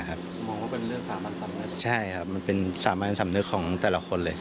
มองว่าเป็นเรื่องสามัญสำนึกใช่ครับมันเป็นสามัญสำนึกของแต่ละคนเลย